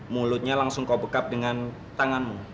mulutnya langsung kau bekap dengan tanganmu